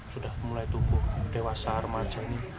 sudah mulai tumbuh dewasa remaja ini